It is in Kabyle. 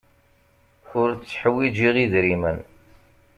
Ur tteḥwijiɣ idrimen.